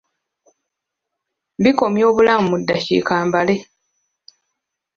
Bikomya obulamu mu ddakiika mbale.